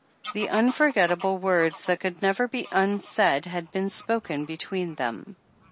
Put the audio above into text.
The unforgettable words that could never be unsaid had been spoken between them.